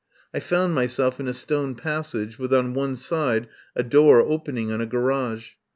I found myself in a stone passage, with on one side a door opening on a garage.